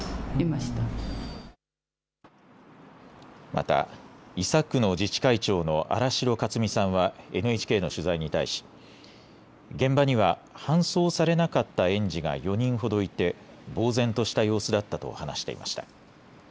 また伊佐区の自治会長の安良城かつみさんはＮＨＫの取材に対し現場には搬送されなかった園児が４人ほどいてぼう然とした様子だったと話していました。